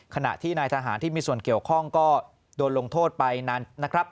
ขณะที่นายทหารที่มีส่วนเกี่ยวข้องก็โดนลงโทษไปนานนะครับ